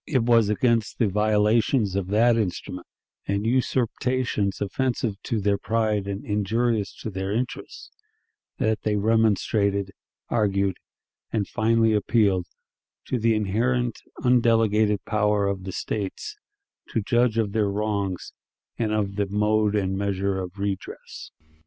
It was against the violations of that instrument, and usurpations offensive to their pride and injurious to their interests, that they remonstrated, argued, and finally appealed to the inherent, undelegated power of the States to judge of their wrongs, and of the "mode and measure of redress."